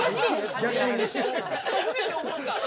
初めて思った。